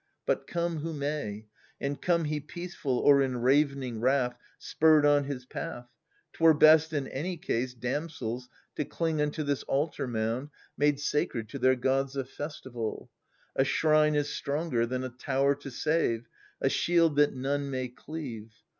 But come who may, And come he peaceful or in ravening wrath Spurred on his path, 'twere best, in any case, Damsels, to cling unto this altar mound Made sacred to their gods of festival, — A shrine is stronger than a tower to save, A shield that none may cleave.